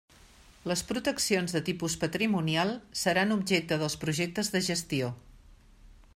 Les proteccions de tipus patrimonial seran objecte dels projectes de gestió.